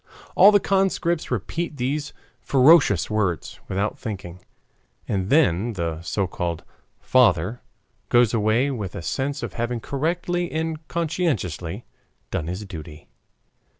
All the conscripts repeat these ferocious words without thinking. And then the so called "father" goes away with a sense of having correctly and conscientiously done his duty.